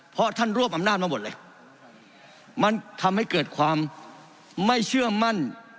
เพราะท่านรวบอำนาจมาหมดเลยมันทำให้เกิดความไม่เชื่อมั่น